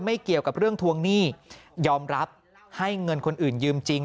เกี่ยวกับเรื่องทวงหนี้ยอมรับให้เงินคนอื่นยืมจริง